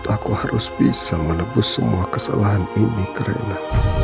aku harus bisa menebus semua kesalahan ini ke reina